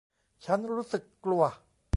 ฉันรู้สึกกลัว